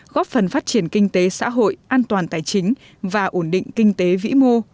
góp phần phát triển kinh tế xã hội an toàn tài chính và ổn định kinh tế vĩ mô